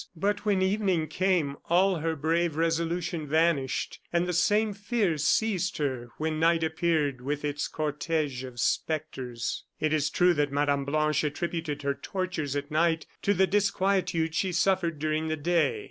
But when evening came all her brave resolution vanished, and the same fear seized her when night appeared with its cortege of spectres. It is true that Mme. Blanche attributed her tortures at night to the disquietude she suffered during the day.